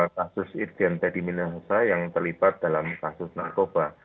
kasus insiden teddy minahosa yang terlibat dalam kasus narkoba